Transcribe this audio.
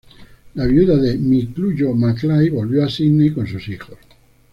La viuda de Miklujo-Maklái volvió a Sídney con sus hijos.